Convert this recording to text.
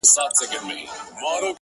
دا چي انجوني ټولي ژاړي سترگي سرې دي؛